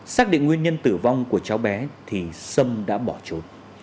xác định nguyên nhân tử vong của cháu bé thì sâm đã bỏ trốn